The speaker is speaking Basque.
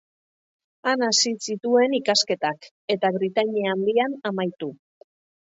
Han hasi zituen ikasketak, eta Britainia Handian amaitu.